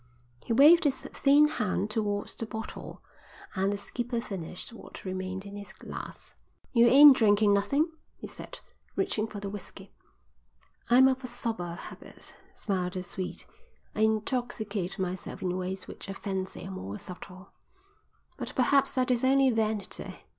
He waved his thin hand towards the bottle, and the skipper finished what remained in his glass. "You ain't drinking nothin," he said, reaching for the whisky. "I am of a sober habit," smiled the Swede. "I intoxicate myself in ways which I fancy are more subtle. But perhaps that is only vanity.